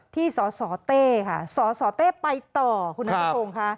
ที่สตเต้สตเต้ไปต่อคุณนักบทง